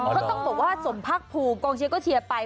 เขาต้องบอกสมภักษ์ภูมิกองเชียงก็เชียร์ไป